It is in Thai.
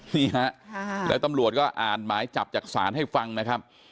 นี่ฮะแล้วตำรวจก็อ่านหมายจับจากศาลให้ฟังนะครับ